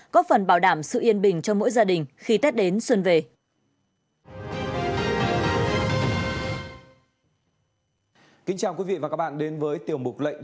có phần bảo đảm sự yên bình cho mỗi gia đình khi tết đến xuân về